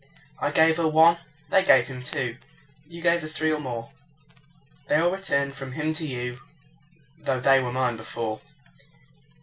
I gave her one, they gave him two, You gave us three or more; They all returned from him to you, Though they were mine before.